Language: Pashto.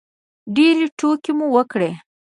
ډېرې ټوکې مو وکړلې.